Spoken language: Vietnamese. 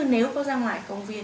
nếu có ra ngoài công viên